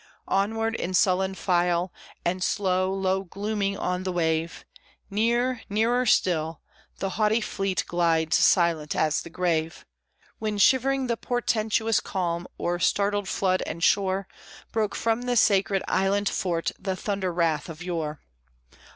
Onward, in sullen file, and slow, low glooming on the wave, Near, nearer still, the haughty fleet glides silent as the grave, When shivering the portentous calm o'er startled flood and shore, Broke from the sacred Island Fort the thunder wrath of yore!